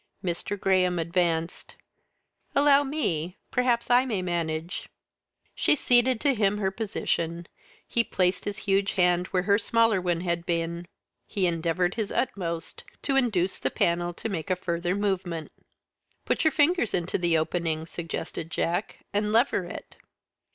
Mr. Graham advanced. "Allow me, perhaps I may manage." She ceded to him her position. He placed his huge hand where her smaller one had been. He endeavoured his utmost to induce the panel to make a further movement. "Put your fingers into the opening," suggested Jack, "and lever it."